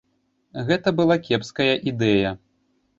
Гэта была кепская ідэя.